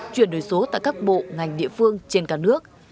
chuyển đổi số tại các bộ ngành địa phương trên cả nước